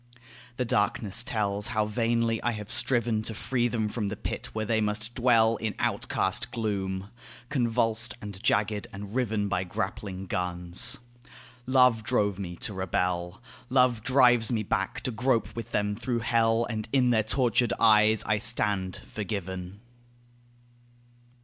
The darkness tells how vainly I have striven To free them from the pit where they must dwell In outcast gloom convulsed and jagged and riven By grappling guns. Love drove me to rebel. Love drives me back to grope with them through hell; And in their tortured eyes I stand forgiven.